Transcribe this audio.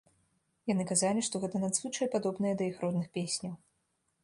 Яны казалі, што гэта надзвычай падобнае да іх родных песняў.